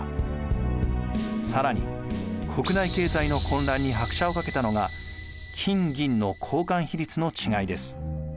さらに国内経済の混乱に拍車をかけたのが金・銀の交換比率の違いです。